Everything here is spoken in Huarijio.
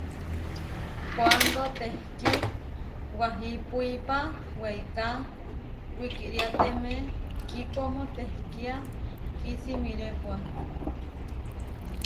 Kuándo tehkí wahipuipa weiká wikíriateme kíkómo téhkia kísimirépua.